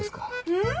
うん？